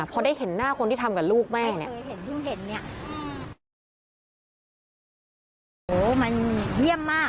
พอได้เห็นหน้าคนที่ทำกับลูกแม่เนี่ยโอ้โหมันเยี่ยมมาก